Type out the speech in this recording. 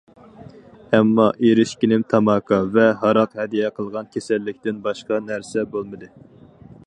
ئەمما، ئېرىشكىنىم تاماكا ۋە ھاراق ھەدىيە قىلغان كېسەللىكتىن باشقا نەرسە بولمىدى.